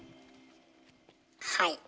はい。